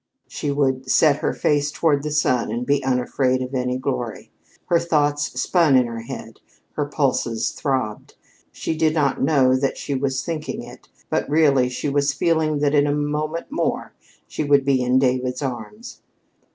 She would set her face toward the sun and be unafraid of any glory. Her thoughts spun in her head, her pulses throbbed. She did not know that she was thinking it, but really she was feeling that in a moment more she would be in David's arms.